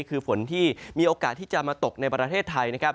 คือฝนที่มีโอกาสที่จะมาตกในประเทศไทยนะครับ